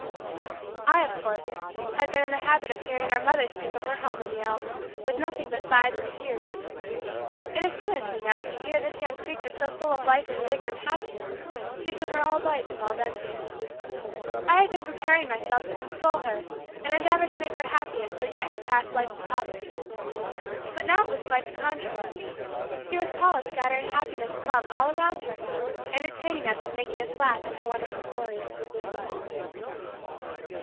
I, of course, had been in the habit of hearing our mother speak of her home in the Alps with nothing but sighs and tears. It astonished me now to hear this young creature so full of life and vigor and happiness speak of her old life in Waldensia. I had been preparing myself to console her and endeavor to make her happy and forget her past life of poverty. But now it was quite the contrary. Here was Paula scattering happiness and love all around her, entertaining us and making us laugh at her wonderful stories.